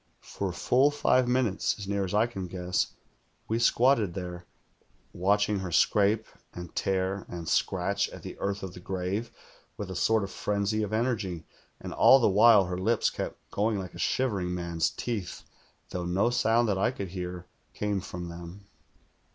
For full five minutes, as near as I can guess, we squatted there watching her scrape and tear and scratch at the earth of the grave, with a sort of frenzy of energy; and all the while her lips kept going like a shivering man's teeth, though no sound that I could hear came from them.